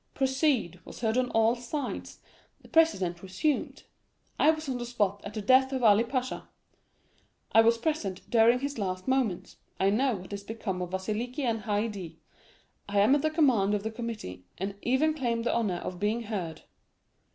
'Proceed,' was heard on all sides. The president resumed: "'I was on the spot at the death of Ali Pasha. I was present during his last moments. I know what is become of Vasiliki and Haydée. I am at the command of the committee, and even claim the honor of being heard.